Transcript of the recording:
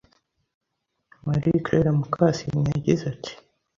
Marie Claire Mukasine, yagize ati